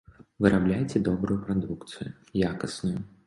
Вырабляеце добрую прадукцыю, якасную.